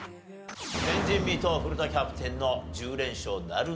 前人未到古田キャプテンの１０連勝なるのか？